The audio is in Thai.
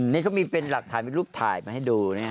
นี่ก็มีเป็นหลักถ่ายเป็นรูปถ่ายมาให้ดูเนี่ย